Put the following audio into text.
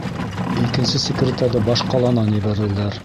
Икенсе секретарҙе баш ҡаланан ебәрҙеләр.